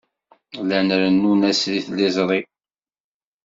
Llan rennun-as i tliẓri.